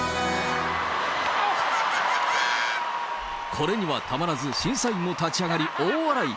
これにはたまらず、審査員も立ち上がり、大笑い。